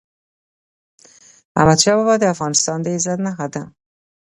احمدشاه بابا د افغانستان د عزت نښه ده.